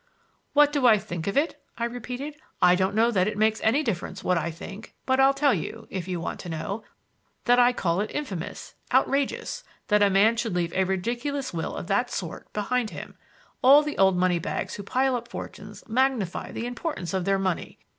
"What do I think of it?" I repeated. "I don't know that it makes any difference what I think, but I'll tell you, if you want to know, that I call it infamous, outrageous, that a man should leave a ridiculous will of that sort behind him. All the old money bags who pile up fortunes magnify the importance of their money.